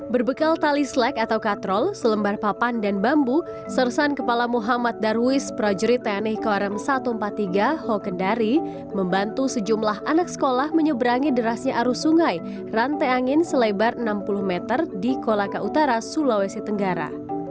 berbekal tali sleg atau katrol selembar papan dan bambu sersan kepala muhammad darwis prajurit tni korem satu ratus empat puluh tiga hokendari membantu sejumlah anak sekolah menyeberangi derasnya arus sungai rantai angin selebar enam puluh meter di kolaka utara sulawesi tenggara